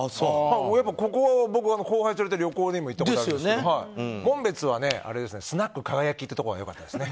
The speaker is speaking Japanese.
ここは後輩連れて旅行にも行ったことあるし紋別はスナックかがやきというところがよかったですね。